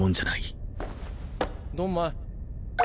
ドンマイ。